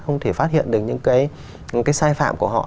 không thể phát hiện được những cái sai phạm của họ